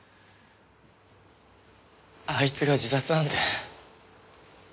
あいつが自殺なんて。